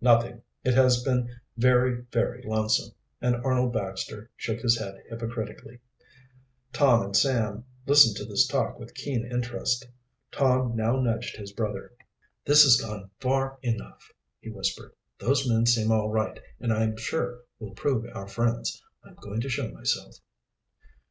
"Nothing. It has been very, very lonesome," and Arnold Baxter shook his head hypocritically. Tom and Sam listened to this talk with keen interest. Tom now nudged his brother. "This has gone far enough," he whispered. "Those men seem all right and I'm sure will prove our friends. I'm going to show myself."